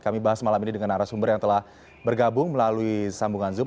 kami bahas malam ini dengan arah sumber yang telah bergabung melalui sambungan zoom